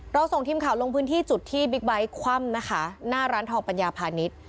ส่งทีมข่าวลงพื้นที่จุดที่บิ๊กไบท์คว่ำนะคะหน้าร้านทองปัญญาพาณิชย์